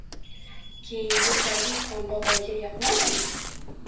Keyingi tarvuz ham boboyga yoqmadi